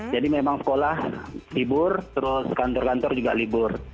jadi memang sekolah libur terus kantor kantor juga libur